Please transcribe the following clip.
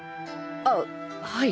あっはい。